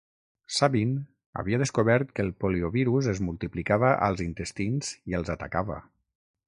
Sabin havia descobert que el poliovirus es multiplicava als intestins i els atacava.